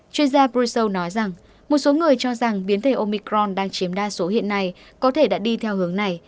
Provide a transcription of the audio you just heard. chuyên gia prosow nói rằng một số người cho rằng biến thể omicron đang chiếm đa số hiện nay có thể đã đi theo hướng này